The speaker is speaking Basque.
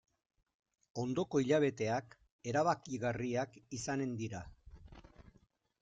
Ondoko hilabeteak erabakigarriak izanen dira.